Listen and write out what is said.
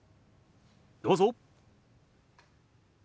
どうぞ。